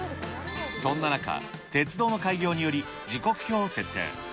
そんな中、鉄道の開業により、時刻表を設定。